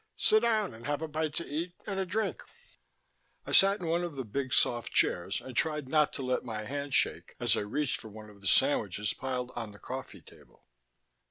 "Sit down and have a bite to eat and a drink." I sat in one of the big soft chairs and tried not to let my hand shake as I reached for one of the sandwiches piled on the coffee table.